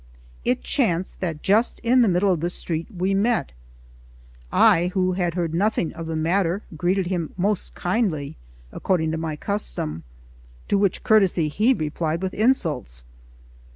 It chanced that just in the middle of the street we met. I, who had heard nothing of the matter, greeted him most kindly, according to my custom, to which courtesy he replied with insults.